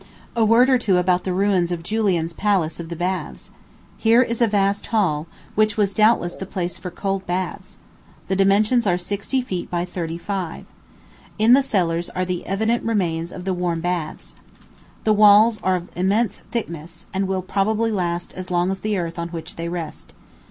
A word or two about the ruins of Julian's Palace of the Baths. Here is still a vast hall, which was doubtless the place for cold baths. The dimensions are sixty feet by thirty five. In the cellars are the evident remains of the warm baths. The walls are of immense thickness, and will probably last as long as the earth on which they rest.